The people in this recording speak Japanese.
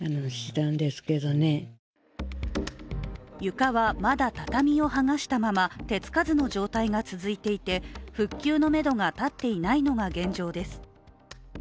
床はまだ畳をはがしたまま手つかずの状態が続いていて復旧のめどが立っていないのが現状です。